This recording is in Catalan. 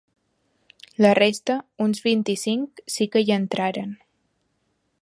La resta, uns vint-i-cinc, sí que hi entraren.